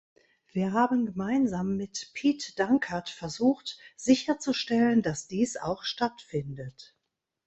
Wir haben gemeinsam mit Piet Dankert versucht sicherzustellen, dass dies auch stattfindet.